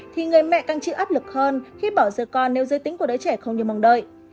thì người mẹ càng chịu áp lực hơn khi bỏ giờ con nếu giới tính của đứa trẻ không như mong đợi